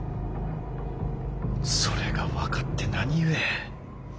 それが分かって何故。